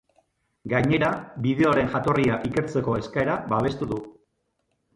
Gainera, bideoaren jatorria ikertzeko eskaera babestu du.